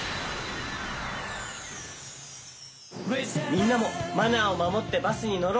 みんなもマナーをまもってバスにのろうね。